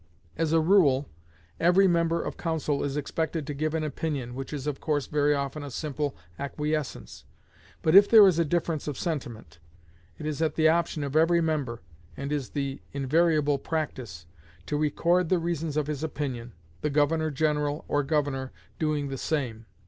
As a rule, every member of council is expected to give an opinion, which is of course very often a simple acquiescence; but if there is a difference of sentiment, it is at the option of every member, and is the invariable practice, to record the reasons of his opinion, the governor general, or governor, doing the same.